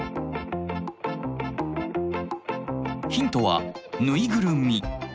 ヒントはぬいぐるみ。